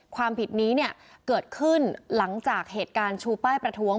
ความผิดนี้เนี่ยเกิดขึ้นหลังจากเหตุการณ์ชูป้ายประท้วง